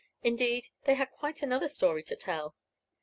Indeed, they had quite another story to tell.